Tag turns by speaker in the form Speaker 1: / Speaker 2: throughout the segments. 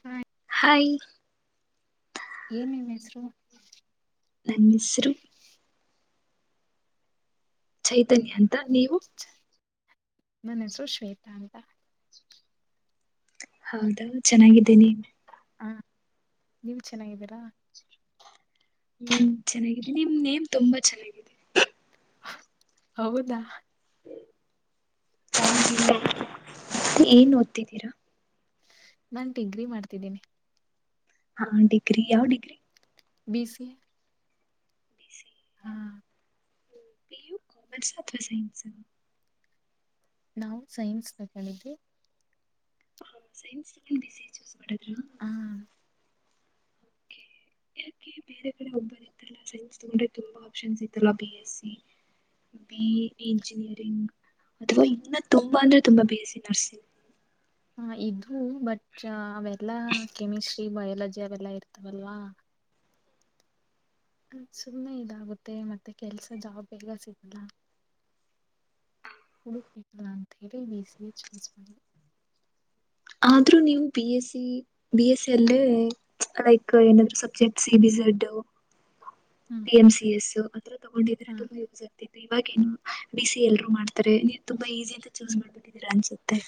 Speaker 1: ಹ್ಮ
Speaker 2: ಾಯಿ [inaudible]
Speaker 1: ಏನ್ ನಿನ್ ಹೆಸ್ರು
Speaker 2: ನನ್ ಹೆಸ್ರು ಚೈತನ್ಯ ಅಂತ ನೀವು
Speaker 1: ನನ್ ಹೆಸ್ರು ಶ್ವೇತಾ ಅಂತ
Speaker 2: ಹೌದಾ ಚೆನ್ನಾಗಿದೀನಿ
Speaker 1: ಹಾ ನೀವು ಚೆನ್ನಾಗಿದ್ದೀರಾ
Speaker 2: ಹ್ಮ ಚೆನ್ನಾಗಿದಿ ನಿಮ್ ನೇಮ್ ತುಂಬಾ ಚೆನ್ನಾಗಿದೆ
Speaker 1: ಹೌದಾ ಥ್ಯಾಂಕ್ ಯು
Speaker 2: ಏನ್ ಓದ್ತಿದ್ದೀರಾ
Speaker 1: ನಾನ್ ಡಿಗ್ರಿ ಮಾಡ್ತಿದ್ದೀನಿ
Speaker 2: ಹಾ ಡಿಗ್ರಿ ಯಾವ್ ಡಿಗ್ರಿ
Speaker 1: ಬಿ ಸಿ ಎ ಹ
Speaker 2: ಪ ಯು ಕಮರ್ಸ್ ಅಥವಾ ಸೈನ್ಸ್
Speaker 1: ನಾವು ಸೈನ್ಸ್ ತಗೊಂಡಿದ್ದೆ
Speaker 2: ಹ ಸೈನ್ಸ್ೊಂ [unintelligible] ಡ ಚೂಸ್ ಮಾಡ
Speaker 1: ಹಾ
Speaker 2: ಓಕೆ. ಯಾಕೆ ಬೇರೆ ಕಡೆ ಹೋಗ್ಬೋತ್ತಲ್ಲ ಸೈನ್ಸ್ ತಂದ್ರೆ ತುಂಬಾ ಆಪ್ಷನ್ಸ್ ಇತ್ತಲ್ಲ ಬಿ ಎಸ್ಸ ಬಿ ಇಂಜಿನಿಯರಿಂಗ್ ಅಥವಾ ಇನ್ನು ತುಂಬಾ ಅಂದ್ರೆ ತುಂಬಾ ಬಿಸ ನರ್ಸಿಂಗ್
Speaker 1: ಹ ಇದು ಬಟ್ ಅವೆಲ್ಲಾ ಕೆಮಿಸ್ಟ್ರಿ ಬಯಾಲಜಿ ವೆ [unintelligible] ಲ್ಲ ಇರ್ತಾವಲ್ವಾ ಸುಮ್ಮನೆ ಇದಾಗುತ್ತೆ ಮತ್ತೆ ಕೆಲ್ಸ ಜಾಬ್ ಬೇಗ ಸಿಗತಾ ಕುಡುಲಾಂತ ಹೇಳೇಳಿ ಬಸಎ ಚಸ್ ಮಾಡಿ [unintelligible]
Speaker 2: ಆದ್ರೂ ನೀವು B S C B S C ಅಲ್ಲಿ ಲೈಕ್ ಏನಾದ್ subject C B Z
Speaker 1: hmm
Speaker 2: B M C S ಅದ್ರ್ ತಗೊಂಡಿದ್ರೆ
Speaker 1: ಹ
Speaker 2: ತುಂಬಾ ಯೂಸ್ ಆಗ್ತಿ ಇವಾಗೇನು ಬಿ ಸಿ ಎ ಎಲ್ರೂ ಮಾಡ್ತಾರೆ ನೀವ್ ತುಂಬಾ ಈಸಿ ಅಂತ ಚೂಸ್ ಮಾಡ್ಬಿಟ್ಟಿದ್ದೀರಾ ಅನ್ಸುತ್ತೆ.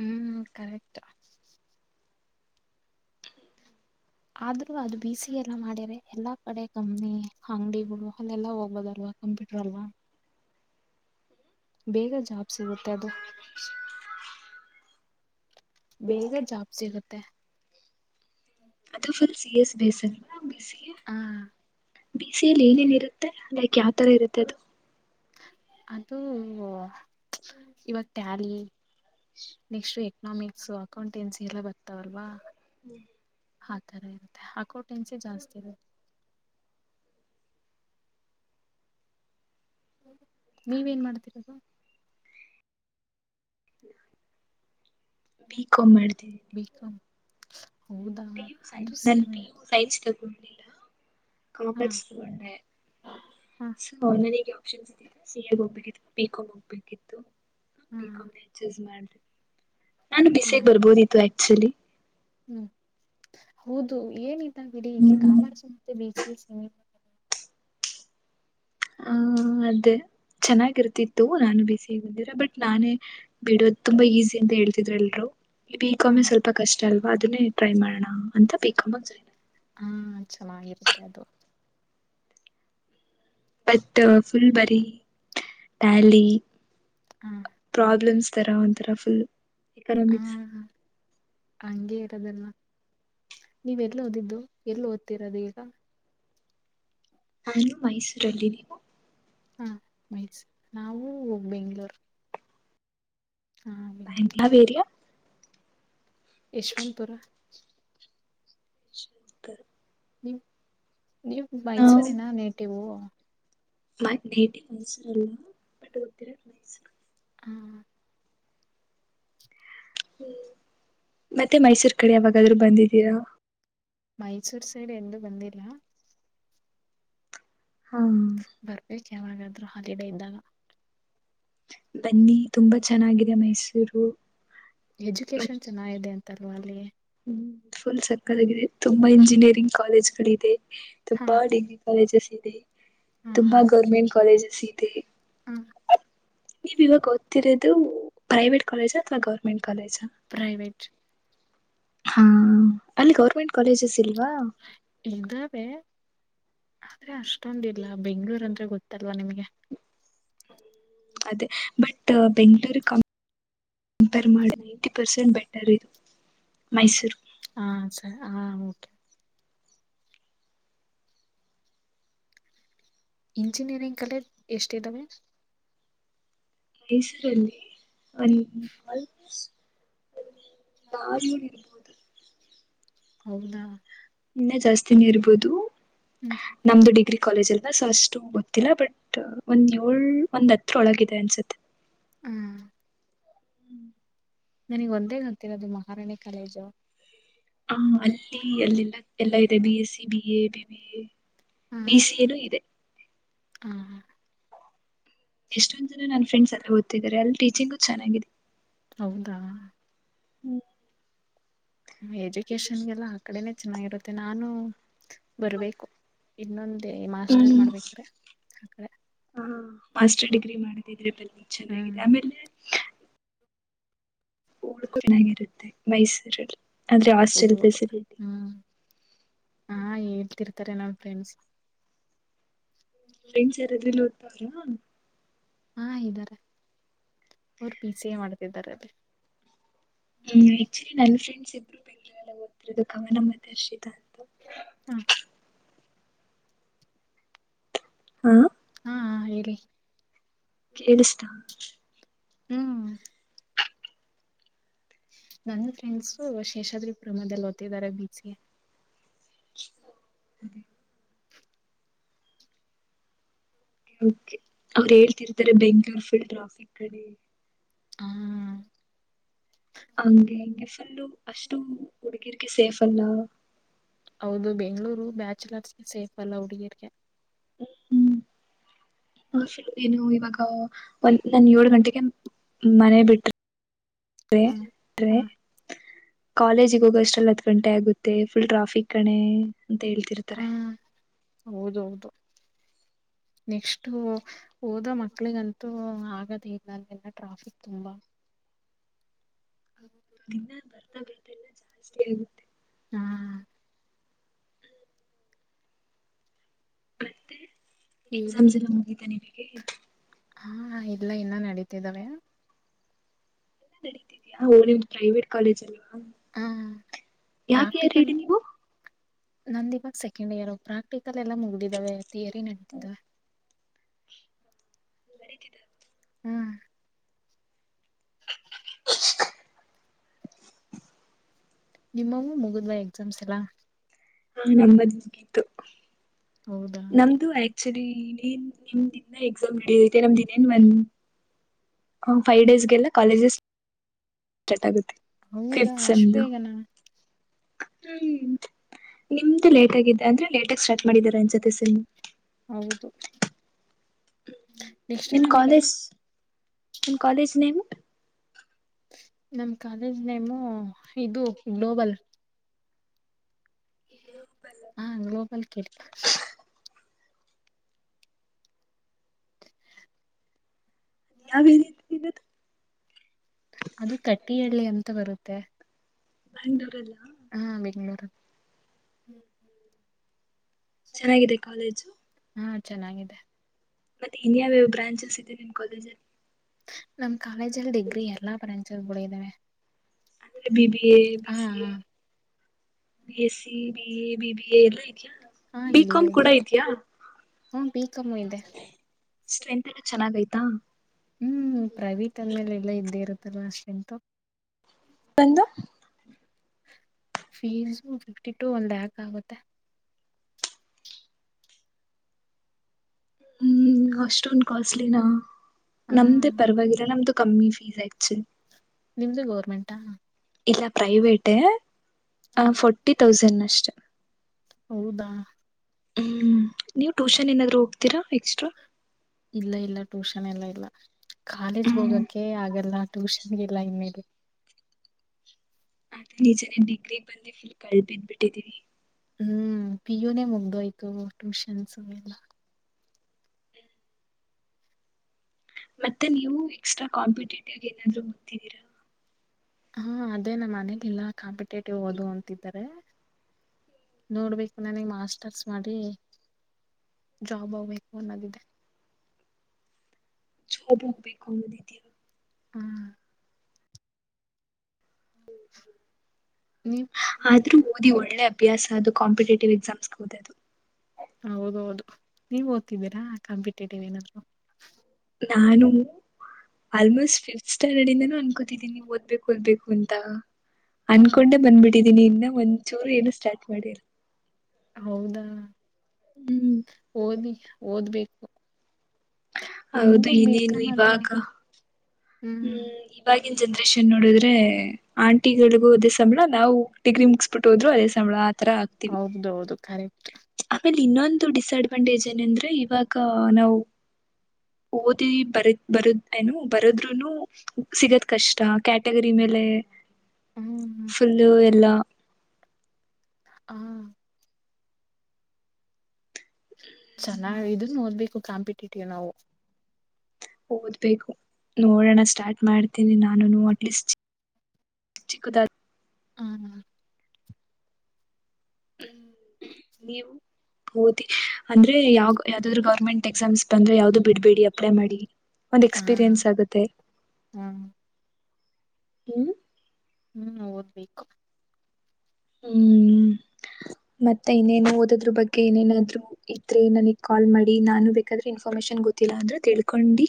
Speaker 1: ಹ್ಮ್ ಕರೆಕ್ಟ್. ಆದ್ರೂ ಅದು ಬ ಸಿ ಎಲ್ಲ ಮಾಡ್ಯರೆ ಎಲ್ಲಾ ಕಡೆ ಕಮ್ಮನಿ ಅಂಗಡಿಗಳು ಅಲ್ಲೆಲ್ಲಾ ಹೋಗೋದಲ್ ಕಂಪ್ಯೂಟರ್ ಅಲ್ವಾ ಬೇಗ ಜಾಬ್ ಸಿಗುತ್ತೆ ಅದು ಬೇಗ ಜಾಪ್ ಸಿಗುತ್ತೆ
Speaker 2: ಅದು ಫಲ್ ಸಿ ಎಸ್ ಬೇಸಾಲಿ
Speaker 1: ಹಾ
Speaker 2: ಬಿಸಲ್ಲಿ ಏನೇನ ಇರುತ್ತೆ ಲೈಕ್ ಯಾವ್ತರ ಇರುತ್ತೆ ಅದು
Speaker 1: ಅದು ಇವಾಗ ಟ್ಯಾಲಿ ನೆಕ್ಸ್ಟ್ ಎಕನಾಮಿಕ್ಸ್ ಅಕೌಂಟೆನ್ಸಿ ಎಲ್ಲ ಬರ್ತಾವಲ್ವಾ
Speaker 2: ಹ್ಮ್
Speaker 1: ಆ ತರ ಇರುತ್ತೆ ಅಕೋಟೆನ್ಸಿ ಜಾಸ್ತಿ ಇರು ನೀವೇನ್ ಮಾಡ್ತಿರೋದು,
Speaker 2: ಬಿ ಕಾಮ್ ಮಾಡ್ತಿದ್ದೀನಿ.
Speaker 1: ಬಿಕಾಮ್ ಹೌದಾ
Speaker 2: ಹ ಪಿ ಯು ಸೈನ್
Speaker 1: ಅದು
Speaker 2: ನನ್ ಪಿ
Speaker 1: ಸೇಮೆ
Speaker 2: ಯು ಸೈನ್ಸ್ ತಗೊಂಡಿಲ್ಲ.
Speaker 1: ಹಾ
Speaker 2: ಕಾಮರ್ಸ್ ತಗೊಂಡೆ
Speaker 1: ಹಾ
Speaker 2: ಸೊ ನನಿಗ್ಯೋ ಚೂಸ್ ಸಿ ಎ ಹೋಗ್ಬೇಕಿತ್ತು ಬಿಕಾಮ್ ಹೋಗ್ಬೇಕಿತ್ತು
Speaker 1: ಹಾ
Speaker 2: ಬಿಕಾಮೆ ಚೂಸ್ ಮಾಡ್ದೆ. ನಾನು ಬಿ ಸಿ
Speaker 1: ಹಾ
Speaker 2: ಎಗ್ ಬರ್ಬೋದಿತ್ತು ಆಕ್ಚುಲಿ.
Speaker 1: ಹ್ಮ್ ಹೌದು ಏನಿಲ್ಲ ಬಿಡಿ ಕಾಮರ್ಸು ಮತ್ತೆ ಬಿ ಸಿ ಎ ಸೆಮಿ
Speaker 2: ಆ ಅದೇ ಚೆನ್ನಾಗಿರ್ತಿತ್ತು ನಾನು ಬಿ ಸಿ ಎ ಗ್ ಬಂದಿರೆ ಬಟ್ ನಾನೇ ಬಿಡೋ ಅದು ತುಂಬಾ ಈಸಿ ಅಂತ ಹೇಳ್ತಿದ್ರು ಎಲ್ರು ಇ
Speaker 1: ಹಾ
Speaker 2: ಬಿಕಾಮೆ ಸ್ವಲ್ಪ ಕಷ್ಟ ಅಲ್ವಾ ಅದನ್ನೇ ಟ್ರೈ ಮಾಡೋಣ ಅಂತ ಬಿಕಾಮಿಗ್ ಜಾಯಿನ್
Speaker 1: ಹಾ ಚೆನ್ನಾಗಿರುತ್ತೆ ಅದು.
Speaker 2: ಬಟ್ ಫುಲ್ ಬರೀ ಟ್ಯಾಲಿ.
Speaker 1: ಹ
Speaker 2: ಪ್ರಾಬ್ಲಮ್ಸ್ ತರ ಒಂಥರ ಫುಲ್
Speaker 1: ಆ
Speaker 2: ಎಕನಾಮಿಕ್ಸ್
Speaker 1: ಅಂಗೇ ತದಲ್ವಾ ನೀವ್ ಎಲ್ ಓದಿದ್ದು ಎಲ್ ಓದ್ತಿರೋದು ಈಗ.
Speaker 2: ನಾನು ಮೈಸೂರಲ್ಲಿ ನೀವು,
Speaker 1: ಹಾ ಮೈಸೂರ್ ನಾವೂ ಬೆಂಗ್ಳೂರ್ ಹಾ ಬೆಂಗ್
Speaker 2: ಬ್ಯಾಂಗ್ ಯಾವ್ ಏರಿಯಾ.
Speaker 1: ಯಶವಂತ್ಪುರ.
Speaker 2: ಯ [unintelligible]
Speaker 1: ನೀವ್ ನೀವ್
Speaker 2: ನಾವು
Speaker 1: ಮೈಸೂರಿನಾ ನೇಟಿವು.
Speaker 2: ಮ ನೇಟಿವ್ ಮೈಸೂರಲ್ಲ ಬಟ್ ಓತ್ತಿರೋದ್ ಮೈಸೂರ್.
Speaker 1: ಹಾ
Speaker 2: ಹ್ಮ್ ಮತ್ತೆ ಮೈಸೂರ್ ಕಡೆ ಯಾವಾಗಾದ್ರೂ ಬಂದಿದ್ದೀರ.
Speaker 1: ಮೈಸೂರ್ ಸೈಡ್ ಎಂದೂ ಬಂದಿಲ್ಲ.
Speaker 2: ಹಾ
Speaker 1: ತ್ತ್ ಯಾವಾಗಾದ್ರು ಹಾಲಿಡೇ ಇದ್ದಾಗ
Speaker 2: ಬನ್ನಿ ತುಂಬಾ ಚೆನ್ನಾಗಿದೆ ಮೈಸೂರು.
Speaker 1: ಎಜುಕೇಶನ್ ಚೆನ್ನಾಗಿದೆ ಅಂತಲ್ವಾ ಅಲ್ಲಿ.
Speaker 2: ಫುಲ್ ಸಕ್ಕಲ್ ಆಗಿದೆ ತುಂಬಾ ಇಂಜಿನಿಯರಿಂಗ್ ಕಾಲೇಜ್ ಗಳಿದೆ.
Speaker 1: ಹಾ
Speaker 2: ತುಂಬಾ ಡಿಗ್ರಿ ಕಾಲೇಜಸ್ ಇದೆ
Speaker 1: ಹಾ ಹಾ
Speaker 2: ತುಂಬಾ ಗೌರ್ಮೆಂಟ್ ಕಾಲೇಜಸ್ ಇದೆ.
Speaker 1: ಹಾ
Speaker 2: ನೀವ್ ಇವಾಗ್ ಓತ್ತಿರೋದು ಪ್ರೈವೇಟ್ ಕಾಲೇಜಾ ಅಥವಾ ಗೌರ್ಮೆನ್
Speaker 1: ಪ್ರೈವೇಟ್.
Speaker 2: ಹಾ ಅಲ್ಲಿ ಗೌರ್ಮೆಂಟ್ ಕಾಲೇಜಸ್ ಇಲ್ವಾ
Speaker 1: ಇದಾವೆ ಆದ್ರೆ ಅಷ್ಟೊಂದಿಲ್ಲ ಬೆಂಗ್ಳೂರ್ ಅಂದ್ರೆ ಗೊತ್ತಲ್ವಾ ನಿಮ್ಗೆ
Speaker 2: ಅದೇ ಬಟ್ ಬೆಂಗಗಳೂರು ಕ ಕಂಪೇರ್ ಮಾಡ ನೈಟಿ ಪರ್ಸೆಂಟ್ ಬೆಟರ್ ಇದು ಮೈಸೂರು
Speaker 1: ಹಾ ಸರಿ ಹ ೆ ಇಂಜಿನಿಯರಿಂಗ್ ಕಾಲೇಜ್ ಎಷ್ಟಿದಾವೆ,
Speaker 2: ಮೈಸುರಲ್ಲಿ ಒನ್ [unintelligible] [unintelligible]
Speaker 1: ಹೌದಾ
Speaker 2: ಇನ್ನ ಜಾಸ್ತಿನೇ ಇರ್ಬೋದು
Speaker 1: ಹ್ಮ್
Speaker 2: ನಮ್ದು ಡಿಗ್ರಿ ಕಾಲೇಜ್ ಅಲ್ವಾ ಸೊ ಅಷ್ಟು ಗೊತ್ತಿಲ್ಲ ಬಟ್ ಒಂದ್ ಏಳ್ ಒಂದ್ ಹತ್ರ್ ಒಳಗಿದೆ ಅನ್ಸತ್ತೆ.
Speaker 1: ಹ್ಮ್
Speaker 2: ಹ್ಮ್
Speaker 1: ನನಿಗ್ ಒಂದೇ ಗೊತ್ತಿರೋದು ಮಹಾರಾಣಿ ಕಾಲೇಜು.
Speaker 2: ಹ ಅಲ್ಲಿ ಅಲ್ಲಿಲ್ಲ ಎಲ್ಲ ಇದೆ B S B A B B A ಬಿಸಿಯನೂ ಇದೆ
Speaker 1: ಹ್ಮ ಹ
Speaker 2: ಎಷ್ಟೊಂದ್ ಜನ ನನ್ ಫ್ರೆಂಡ್ಸ್ ಎಲ್ಲ ಓದತ್ತಿದಿದ್ದಾರೆ ಅಲ್ಲಿ ಟೀಚಿಂಗು ಚೆನ್ನಾಗಿದೆ
Speaker 1: ಹೌದಾ
Speaker 2: ಹ್ಮ್
Speaker 1: ಎಜುಕೇಶನ್ಗೆಲ್ಲ ಆ ಕಡೆನೆೇ ಚೆನ್ನಾಗಿರುತ್ತೆ ನಾನು ಬರ್ಬೇಕು ಇನ್ನೊಂದು ಅೇ ಮಾಸ್ಟರ್
Speaker 2: ಹ್ಮ್
Speaker 1: ಮಾಡ್ಬೇಕ್ರ ಆಕಡೆ
Speaker 2: ಮಾಸ್ಟರ್ ಡಿಗ್ರಿ ಮಾಡದಿದ್ರೆ ಬೆಲ್
Speaker 1: ಹ್ಮ್
Speaker 2: ಚೆನ್ನಾಗಿದೆ ಆಮೇಲೆ ಓಡ್ಕೋ ಚೆನ್ನಾಗಿರುತ್ತೆ ಮೈಸೂರಲ್ಲಿ ಆದ್ರೆ ಹಾಸ್ಟೆಲ್
Speaker 1: ಹೌದು ಹೌದು
Speaker 2: ಫೆಸಿಲಿಟಿ
Speaker 1: ಹ್ಮ್ ಹಾ ಹೇಳ್ತಿರ್ತಾರೆ ನಾವ ಫ್ರೆಂಡ್ಸ್
Speaker 2: ಫ್ರೆಂ್ಸ್ ಯಾರಾದ್ರೂ ನೋದ್ತಾವ್ರಾ
Speaker 1: ಹಾ ಇದ್ದಾರೆ ಅವರು ಪಿ ಸಿ ಎ ಮಾಡ್ತಿದ್ದಾರೆ ಅಲ್ಲಿ
Speaker 2: ಹ್ಮ್ ಆಕ್ಚುಲಿ ನನ್ ಫ್ರೆಂಡ್ಸ್ ಇಬ್ಬರು ಬೆಂಗಳೂಲ್ಲ ಓದ್ತಿರೋದು ಕವನ ಮತ್ತೆ ಅರ್ಷಿತ
Speaker 1: ಹ್ಮ
Speaker 2: ಹಾ
Speaker 1: ಹಾ ಹೇಳರಿ
Speaker 2: ಎಿಸ
Speaker 1: ಹ್ಮ್ ನನ್ ಫ್ರೆಂಡ್ಸು ಶೇಷಾದ್ರಿಪುರ ಮದ ಓದ್ಿದ್ದಾರೆ ಬೀಸಗೆ
Speaker 2: ಹಾಗೆ ೆ ಅವ್ರು ಹೇಳ್ತಿರ್ತಾರೆ ಬೆಂಗ್ಗಳೂರ್ ಫುಲ್ ಟ್ರಾಫಿಕ್ ಕಡೆ
Speaker 1: ಹಾ
Speaker 2: ಹಂಗೆ ಹಿಂಗೆ ಫಲ್ಲು ಅಷ್ಟು ಹುಡುಗಿರ್ರಿಗೆ ಸೇಫ್ ಅಲ್ಲ
Speaker 1: ಹೌದು ಬೆಂಗ್ಳೂರು ಬ್ಯಾಚುಲರ್ಸ್ಗೆ ಸೇಫ್ ಅಲ್ಲ ಹುಡುಗೀರ್ಗೆ
Speaker 2: ಹ್ಮ ಹ್ಮ್ ಏನು ಇವಾಗ ಒಂದ ನನ್ ಏಳ್ ಗಂಟೆಗೆ ಮನೆ ಬಿಟ್ರ
Speaker 1: ಹ್ಮ ಹ
Speaker 2: ಕಾಲೇಜಿಗೆ ಹೋಗಷ್ಟಲ್ಲಿ ಹತ್ತು ಗಂಟೆ ಆಗುತ್ತೆ ಫುಲ್ ಟ್ರಾಫಿಕ್ ಕಣೆ ಅಂತ ಹೇಳ್ತಿರ್ತಾರೆ
Speaker 1: ಹೌದೌದು
Speaker 2: ಹ
Speaker 1: ನೆಕ್ಸ್ಟ್ು ಓದೋ ಮಕ್ಳಿಗಂತೂ ಆಗದ ಇದನಲ್ಲಿಲ್ಲ ಟ್ರಾಫಿಕ್ ತುಂಬಾ
Speaker 2: ನಿನ್ನ ಬರ್ತಾ ಬರ್ತಾ ಇಲ್ಲ ಜಾಸ್ತಿ ಆಗುತ್ತೆ
Speaker 1: ಹ್ಮ
Speaker 2: ಬೆ
Speaker 1: ಕೇಳಿ
Speaker 2: ಎಕ್ಸಾಮ್ಸ್ ಎಲ್ಲ ಮುಗಿತ ನಿಮಗೆ
Speaker 1: ಹಾ ಇಲ್ಲ ಇನ್ನ ನಡೀತಿದಾವೆ
Speaker 2: ಎಲ್ಲ ನಡತಿದ್ಯಾ ್ ಪ್ರೈವೇಟ್ ಕಾಲೇಜ್ಲ್ವಾ
Speaker 1: ಆ
Speaker 2: ಯಾವ ಯಾರ
Speaker 1: ಪ್ರಾಕ್ಟಿಕಲ್
Speaker 2: ಹೇಳಡಿ ನೀವು
Speaker 1: ನಂದ ಇವಾಗ ಸೆಕೆಂಡ್ ಇಯರ್ ಪ್ರಾಕ್ಟಿಕಲ್ ಎಲ್ಲ ಮುಗಿದಾವೆ ಿಯರಿ ನಡತಿದಾವ
Speaker 2: ನರಿೀತಿದೆ
Speaker 1: ಹ್ಮ್
Speaker 2: [inaudible]
Speaker 1: ನಿಮ್ಮವೂ ಮುಗುದ್ವಾ ಎಕ್ಸಾಮ್ಸ್ ಎಲ್ಲಾ
Speaker 2: ಹ ನದಗೀತ
Speaker 1: ಹೌದಾ
Speaker 2: ನಮ್ದು ಆಕ್ಚುಲಿ ನಿನ್ ನಿಮ್ದಿನ ಎಕ್ಸಾಮ್ ಹಿಡಐತೆ ನಮ್ದಿನ ಏನ್ ಬಂದ ಫೈವ್ ಡೇಸ್ಗೆಲ್ಲ ಕಾಲೇಜಸ್ ಕೆಟ್ಗುತ್ತೆ
Speaker 1: ಹೌದಾ ಅಷ್ಟ ಬೇಗ ನ
Speaker 2: ಹ್ಮ್ ನಿಮ್ದು ಲೇಟ್ ಆಗಿದ್ದ ಅಂದ್ರೆ ಲೇಟ್ ಆಗ ಸ್ಟಾರ್ಟ್ ಮಾಡಿದಿದ್ದಾರೆ ಅನ್ ಜೊತೆ ಸಮ್
Speaker 1: ಹೌದು ನೆಕ್ಸ್ಟ್
Speaker 2: ನಿನ್
Speaker 1: ನಮಗೆ
Speaker 2: ಕಾಲೇಜ್ ನಿನ್ ಕಾಲೇಜ್ ನೇಮ್
Speaker 1: ನಮ್ ಕಾಲೇಜ್ ನೇಮು ಇದು ಗ್ಲೋಬಲ್ ಹಾ ಗ್ಲೋಬಲ್ ಕೇಳ
Speaker 2: ಯಾವ್ ಏರಿಯಾ ನೀವು ಇರೋದು
Speaker 1: ಅದು ತಟ್ಟಿ ಹಳ್ಳಿ ಅಂತ ಬರುತ್ತೆ
Speaker 2: ಬೆಂಗಳೂರಲ್ಲ
Speaker 1: ಹ್ಮ
Speaker 2: ಚೆನ್ನಾಗಿದೆ ಕಾಲೇಜು
Speaker 1: ಹಾ ಚೆನ್ನಾಗಿದೆ
Speaker 2: ಮತ್ತೆ ಇನ್ಯಾವ್ಯಾವ ಬ್ರಾಂಚಸ್ ಇದೆ ನಿಮ್ಮ್ ಕಾಲೇಜಲ್ಲಿ
Speaker 1: ನಮ ಕಾಲೇಜಲ್ಲಿ ಡಿಗ್ರಿ ಎಲ್ಲಾ ಪಂಚದಗಳು ಇದಿದಾವೆ
Speaker 2: ಅಂದೆ B B A B C A B S B A BBA ಎಲ್ಲ ಐತಿಯಾ
Speaker 1: ಹಾ ಎಲ್ಲ
Speaker 2: ಬಿಿಕಾಾಮ್ ಕೂಡ
Speaker 1: ಇದೆ
Speaker 2: ಐತಿಯಾ
Speaker 1: ಹ್ಮ ಬೀ ಕಮಯದೆೆ
Speaker 2: ಸ್ಟ್ರೆಂತ್ ಎಲ್ಲ ಚೆನ್ನಾಗಯ್ತಾ
Speaker 1: ಹ್ಮ್ ಪ್ರೈವೇಟ್ ಅಂದ್ಮೇಲೆ ಎಲ್ಲಾ ಇದ್ದೇ ಇರುತ್ತಲ್ ಅಷ್ಟೆಟು
Speaker 2: ಒಂದು
Speaker 1: ಫೀಸ್ ಫಿಫ್ಟಿ ಟು ಒಂದ್ ಲೆಕ್ ಆಗುತ್ತೆ
Speaker 2: ಹ್ಮ್ ಅಷ್ಟೊಂದ ಕಾಸ್ಟ್ಲಿನ
Speaker 1: ಹ
Speaker 2: ನಮ್ದೇ ಪರವಾಗಿಲ್ಲ ನಮ್ದು ಕಮ್ಮಿ ಫೀಸ್ ಆಯ
Speaker 1: ನಿಮ್ದು ಗೌರ್ಮೆಂಟಾ
Speaker 2: ಇಲ್ಲ ಪ್ರೈವೇಟೇ
Speaker 1: ಹ್ಮ್
Speaker 2: ಫೋರ್ಟಿ ತೌಸಂಡ್ ಅಷ್ಟೆ
Speaker 1: ಹೌದಾ
Speaker 2: ಹ್ಮ್ ನೀವು ಟ್ಯೂಷನ್ ಏನಾದ್ರು ಹೋಗ್ತೀರಾ ಎಕ್ಸ್ಟ್ರಾ
Speaker 1: ಇಲ್ಲ ಇಲ್ಲ ಟ್ಯೂಷನ್ ಎಲ್ಲ ಇಲ್ಲ ಕಾಲೇಜ್ಗೆ
Speaker 2: ಹ್ಮ್
Speaker 1: ಹೋಗಕೆ ಹಾಗೆಲ್ಲ ಟ್ಯೂಷನ್ಗೆಲ್ಲ ಇ ಮೇಲೆ
Speaker 2: ಆದ್ರೆ ನಿಜನೇ ಡಿಗ್ರಿ ಬಂದ ಫುಲ್ ಕಳು ಬಿದ್ದ್ ಬಿಟ್ಟಿದ್ದೀವಿ
Speaker 1: ಹ್ಮ್ ಪಿ ಯುನೇ ಮುಗ್ದೋಯ್ತು ಟ್ಯೂಷನ್ಸ್ ಎಲ್ಲ
Speaker 2: ಮತ್ತೆ ನೀವು ಎಕ್ಸ್ಟ್ರಾ ಕಾಂಪಿಟೇಟಿವ್ ಏನಾದ್ ಓದ್ದ್ದೀರಾ
Speaker 1: ಹಾ ಅದೇ ನಮ್ಮ ಮನಲಿಲ್ಲ ಕಾಂಪಿಟೇಟಿವ್ ಹಓದು ಅಂತಿದ್ದಾರೆ ನೋಡ್ಬೇಕು ನನಗ್ ಮಾಸ್ಟರ್ಸ್ ಮಾಡಿ ಜಾಬ್ ಆಗ್ಬೇಕು ಅನ್ನಾಗಿದೆ
Speaker 2: ಚೋಬ ಹೋಗ್ಬೇಕು ಅ ದಿದ
Speaker 1: ಹ್ಮ್ ನೀವ್
Speaker 2: ಆದ್ರೂ ಓದಿ ಒಳ್ಳೆ ಅಭ್ಯಾಸ ಅದು ಕಾಂಪಿಟೇಟಿವ್ ಎಕ್ಸಾಮ್ಸ್ಗೆ ಓದೋದು
Speaker 1: ಹೌದ ಹೌದು ನೀವ್ ಓದ್ತಿದ್ದೀರಾ ಕಾಂಪಿಟೇಟಿವ್ ಏನಾದ್ರು
Speaker 2: ನಾನು ಆಲ್ಮೋಸ್ಟ್ ಫಿಫತ್ ಸ್ಟ್ಯಾಂಡರ್ಡ್ ಇಂದ ನ ಗತಿದ್ದೀನಿ ಓದ್ಬೇಕು ಓದ್ಬೇಕು ಅಂತ ಅನ್ಕೊಂಡೆ
Speaker 1: ಹಾ
Speaker 2: ಬಂದ್ಬಿಟ್ಟಿದೀನಿ ಇನ್ನ ಒಂಚೂರು ಏನು ಸ್ಟಾರ್ಟ್ ಮಾಡಿರ
Speaker 1: ಹೌದಾ
Speaker 2: ಹ್ಮ್
Speaker 1: ಓದಿ ಓದ್ಬೇಕು
Speaker 2: ಹೌದು
Speaker 1: ಹೆಂಗು
Speaker 2: ಇನೇನು
Speaker 1: ಬೇಕಮ್ ಅಲ್ವಾ
Speaker 2: ಇವಾಗ ಹೂ
Speaker 1: ಹ್ಮ್
Speaker 2: ಇವಾಗಿವಾಗಿನ ಜನ್ರೇಷನ್ ನೋಡಿದ್ರೆ ಆಂಟಿಗಳಿಗೂ ಅದ ಸಂಬಳ ನಾ ಡಿಗ್ರಿ ಮುಗಿಸಬಿಟ್ಟ ಹೋದ್ರು ಅದೇ ಸಂಬಳ ತರ ಆಗ್ತೀವಿ
Speaker 1: ಹೌದೌದು ಕರೆಕ್ಟ್
Speaker 2: ಆಮೇಲೆ ಇನ್ನೊಂದು ಡಿಸ್ಅಡ್ವಾಂಟೇಜ್ ಏನಂದ್ರೆ ಇವಾಗ ನಾವು ಓದಿ ಬರ ಬರೋದ್ ಏನು ಬರೋದ್ರುನು ಸಿಗದ್ ಕಷ್ಟ ಕ್ಯಾಟಗರಿ ಮೇಲೆ
Speaker 1: ಹ್ಮ್
Speaker 2: ಫುಲ್ಲು ಎಲ್ಲಾ
Speaker 1: ಹಾ ಚೆನ್ನಾಗ ಇದನ್ ನೋಡ್ಬೇಕು ಕಾಂಪಿಟೇಟಿವ್ ನಾವು
Speaker 2: ಓದ್ಬೇಕು ನೋಡೋಣ ಸ್ಟಾರ್ಟ್ ಮಾಡ್ತೀನಿ ನಾನುನು ಅಟ್ಲೀಸ್ಟ್ ಸ ಚಿಕುದ
Speaker 1: ಹಾ ಹಾ
Speaker 2: ನೀವು ಓದಿ ಅಂದ್ರೆ ಯಾವ ಯಾವ್ದಾದ್ರು ಗವರ್ಮೆಂಟ್ ಎಕ್ಸಾಮ್ಸ್ ಬಂದ್ರೆ ಯಾವ್ದು ಬಿಡ್ಬೇಡಿ ಅಪ್ಲೈ ಮಾಡಿ ಒಂದು
Speaker 1: ಹಾ
Speaker 2: ಎಕ್ಸ್ಪೀರಿಯನ್ಸ್ ಆಗುತ್ತೆ
Speaker 1: ಹ್ಮ್
Speaker 2: ಹ
Speaker 1: ಓದಬೇಕು
Speaker 2: ಹೂ ಮತ್ತೆ ಇನ್ನೇನು ಓದೋದ್ರ ಬಗ್ಗೆ ಏೇನಾದ್ರು ಇದ್ರೆ ನನಗ್ ಕಾಲ್ ಮಾಡಿ ನಾನು ಬೇಕಾದ್ರೆ ಇನ್ಫಾರ್ಮೇಶನ್ ಗೊತ್ತ ಗಿಲ್ಲ ಅಂದ್ರೆ ತಿಳ್ಕೊಂಡಿ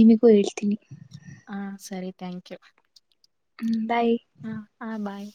Speaker 2: ನಿಮಗೂ ಹೇಳ್ತೀನಿ
Speaker 1: ಥಾಂಕ್ ಯು
Speaker 2: ಹೂ
Speaker 1: ಹಾ ಹಾ ಬಾಯ್